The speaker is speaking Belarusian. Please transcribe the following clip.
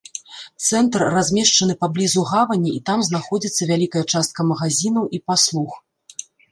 Цэнтр размешчаны паблізу гавані і там знаходзяцца вялікая частка магазінаў і паслуг.